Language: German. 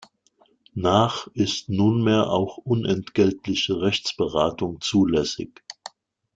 Nach ist nunmehr auch unentgeltliche Rechtsberatung zulässig.